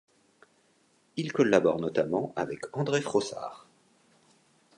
Il collabore notamment avec André Frossard.